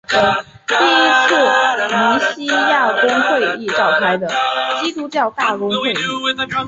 第一次尼西亚公会议召开的基督教大公会议。